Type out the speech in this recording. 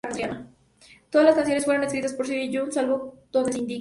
Todas las canciones fueron escritas por Sonic Youth, salvo donde se indique.